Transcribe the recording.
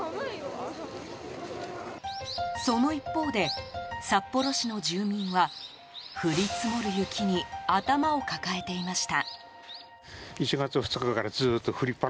その一方で、札幌市の住民は降り積もる雪に頭を抱えていました。